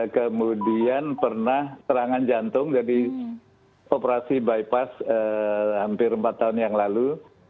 kemudian pernah serangan jantung dari operasi bypass hampir empat tahun yang lalu